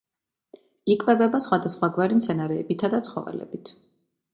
იკვებება სხვადასხვაგვარი მცენარეებითა და ცხოველებით.